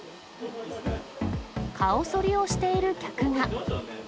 顔そりをしている客が。